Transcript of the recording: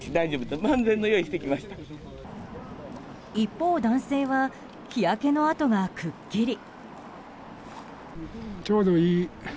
一方、男性は日焼けの痕がくっきり。